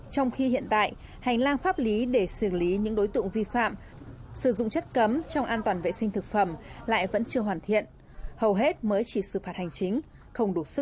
trong khi hiện tại hành lang pháp lý để xử lý những đối tượng vi phạm sử dụng chất cấm trong an toàn vệ sinh thực phẩm lại vẫn chưa hoàn thiện hầu hết mới chỉ xử phạt hành chính không đủ sức gian đe